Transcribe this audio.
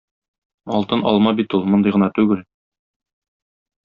Алтын алма бит ул, мондый гына түгел.